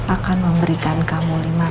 akan memberikan kamu